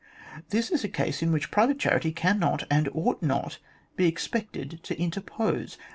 This is a case in which private charity cannot and ought not to be expected to interpose.